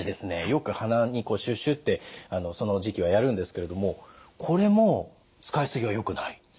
よく鼻にこうシュシュってその時期はやるんですけれどもこれも使い過ぎはよくない？